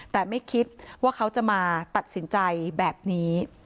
แต่ไม่คิดว่าเขาจะมาตัดสินใจแบบนี้